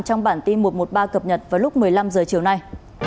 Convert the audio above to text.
trong bản tin một trăm một mươi ba cập nhật vào lúc một mươi năm h chiều nay